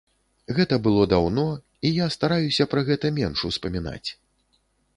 Гэта было даўно, і я стараюся пра гэта менш успамінаць.